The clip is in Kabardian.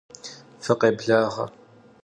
Fıkhêblağe!